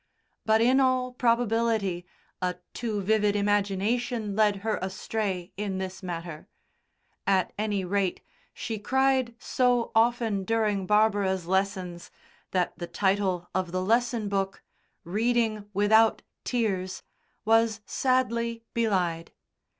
But in all probability a too vivid imagination led her astray in this matter; at any rate, she cried so often during Barbara's lessons that the title of the lesson book, "Reading without Tears," was sadly belied.